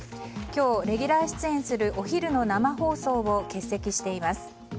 今日、レギュラー出演するお昼の生放送を欠席しています。